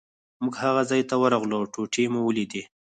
موږ هغه ځای ته ورغلو او ټوټې مو ولیدې.